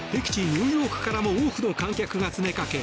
ニューヨークからも多くの観客が詰めかけ